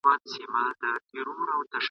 کرۍ ورځ دلته آسونه ځغلېدله !.